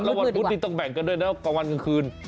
แล้ววันพุธนี้ต้องแบ่งกันด้วยนะกลางวันกลางคืน